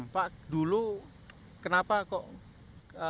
pak dulu kenapa kok